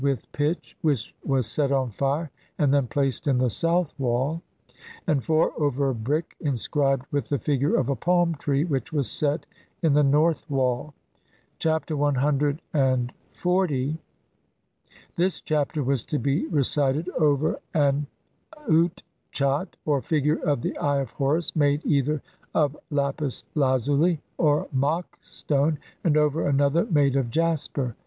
CLIX with pitch which was set on fire, and then placed in the south wall ; and (4) over a brick inscribed with the figure of a palm tree, which was set in the north wall. Chap. CXL. This Chapter was to be recited over an utchat, or figure of the Eye of Horus, made either of lapis lazuli or Mak stone, and over another made of jasper.